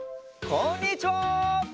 こんにちは！